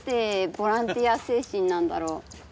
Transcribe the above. ボランティア精神なんだろう。